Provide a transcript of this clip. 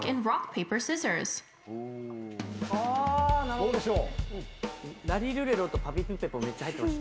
どうでしょう？